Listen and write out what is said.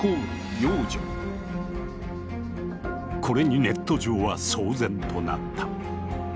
これにネット上は騒然となった。